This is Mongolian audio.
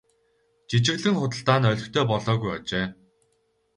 Жижиглэн худалдаа нь олигтой болоогүй ажээ.